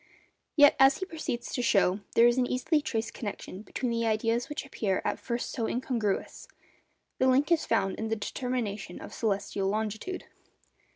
Yet, as he proceeds to show, there is an easily traced connection between the ideas which appear at first sight so incongruous. The link is found in the determination of celestial longitude.